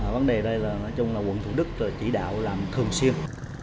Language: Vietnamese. vấn đề đây là quận thủ đức chỉ đạo làm thường xuyên